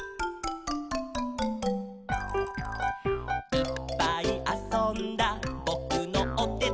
「いっぱいあそんだぼくのおてて」